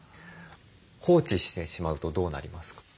放置してしまうとどうなりますか？